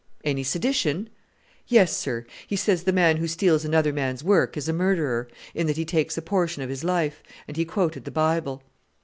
"Any sedition?" "Yes, sir. He says the man who steals another man's work is a murderer, in that he takes a portion of his life; and he quoted the Bible."